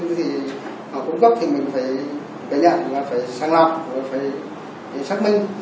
thông tin thì họ cung cấp thì mình phải gây nhận và phải sàng lọc và phải xác minh